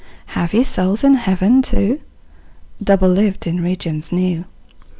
Have ye souls in heaven too, Doubled lived in regions new?